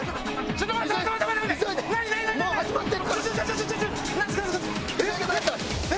ちょっと待って！